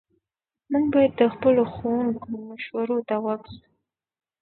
موږ باید د خپلو ښوونکو مشورو ته غوږ سو.